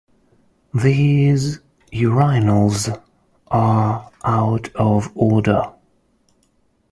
These urinals are out of order.